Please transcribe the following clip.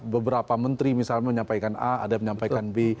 beberapa menteri misalnya menyampaikan a ada yang menyampaikan b